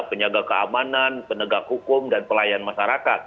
penjaga keamanan penegak hukum dan pelayan masyarakat